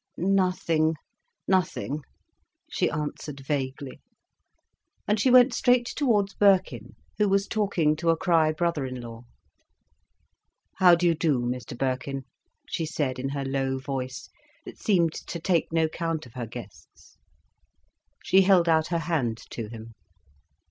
"Nothing, nothing!" she answered vaguely. And she went straight towards Birkin, who was talking to a Crich brother in law. "How do you do, Mr Birkin," she said, in her low voice, that seemed to take no count of her guests. She held out her hand to him.